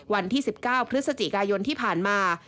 วันที่๑๙พฤศจิกายนที่ผ่านมา